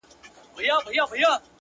• هغه د بل د كور ډېوه جوړه ده ـ